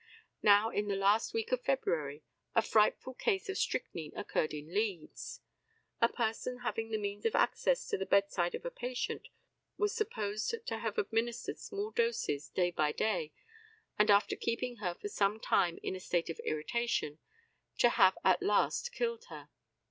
Now, in the last week in February a frightful case of strychnine occurred in Leeds. A person having the means of access to the bedside of a patient, was supposed to have administered small doses, day by day, and after keeping her for some time in a state of irritation, to have at last killed her.